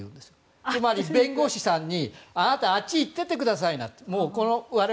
つまり弁護士さんにあなたはあっち行っててくださいなと。